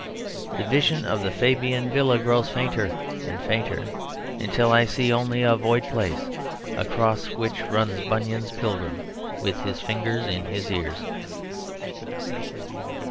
The vision of the Fabian villas grows fainter and fainter, until I see only a void place across which runs Bunyan's Pilgrim with his fingers in his ears.